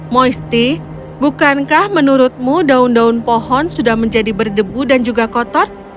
moisti bukankah menurutmu daun daun pohon sudah menjadi berdebu dan juga kotor